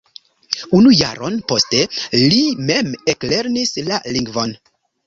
Unu jaron poste li mem eklernis la lingvon.